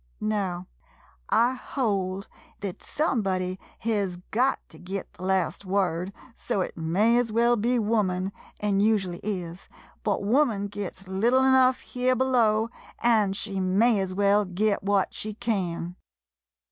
Now, I hold thet somebody hez got to git the last word, so it may as well be woman (an' usu ally is), but woman gits little enough here below, an' she may as well git what she can.